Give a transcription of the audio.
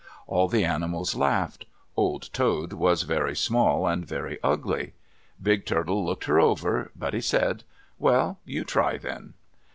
All the animals laughed. Old Toad was very small and very ugly. Big Turtle looked her over, but he said, "Well, you try then."